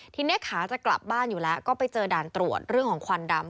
ทีนี้ขาจะกลับบ้านอยู่แล้วก็ไปเจอด่านตรวจเรื่องของควันดำ